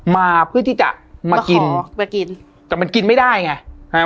มาเพื่อที่จะมากินอ๋อมากินแต่มันกินไม่ได้ไงฮะ